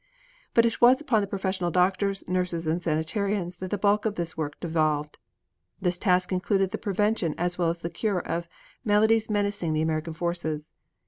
But it was upon the professional doctors, nurses and sanitarians that the bulk of the task devolved. This task included the prevention as well as the cure of maladies menacing the American forces.